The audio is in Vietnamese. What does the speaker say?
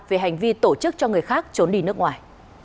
về hành vi tổ chức cho người khác trốn đi nước ngoài